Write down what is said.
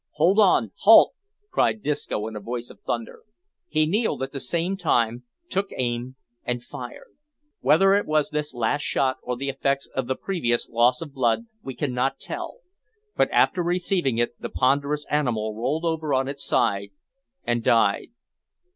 "Hold on! halt!" cried Disco in a voice of thunder. He kneeled at the same time, took aim, and fired. Whether it was this last shot or the effects of previous loss of blood, we cannot tell; but after receiving it, the ponderous animal rolled over on its side, and died.